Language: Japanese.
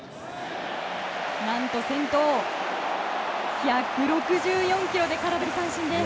何と先頭、１６４キロで空振り三振です。